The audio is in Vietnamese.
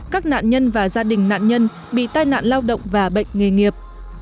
các nạn nhân và gia đình nạn nhân bị tai nạn lao động và bệnh nghề nghiệp